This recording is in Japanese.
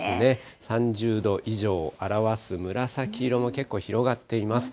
３０度以上を表す紫色も結構広がっています。